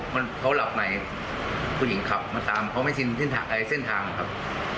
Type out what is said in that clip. มันเขาหลับในผู้หญิงขับมาตามเขาไม่ชินเส้นทางนะครับ